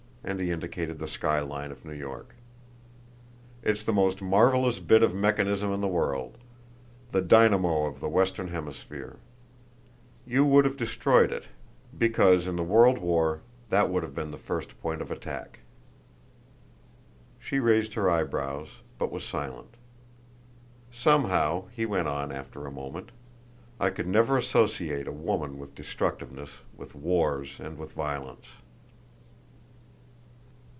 and he indicated the sky line of New York. "It's the most marvelous bit of mechanism in the world; the dynamo of the western hemisphere. You would have destroyed it, because in the world war that would have been the first point of attack." She raised her eyebrows, but was silent. "Somehow," he went on after a moment, "I could never associate a woman with destructiveness, with wars and with violence."